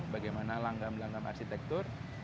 bagaimana langgam langgam arsitektur